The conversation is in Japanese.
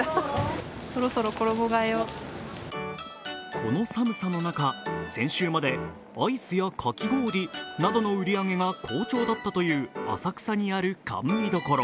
この寒さの中、先週までアイスやかき氷などの売り上げが好調だったという浅草にある甘味どころ。